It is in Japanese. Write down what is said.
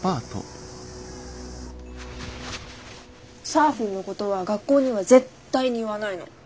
サーフィンのことは学校には絶対に言わないの。